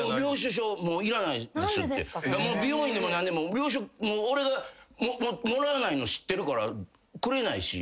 美容院でも何でも領収書俺がもらわないの知ってるからくれないし別に。